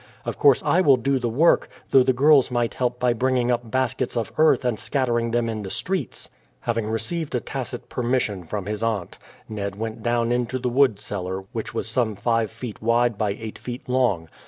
Of course I will do the work, though the girls might help by bringing up baskets of earth and scattering them in the streets." Having received a tacit permission from his aunt, Ned went down into the wood cellar, which was some five feet wide by eight feet long.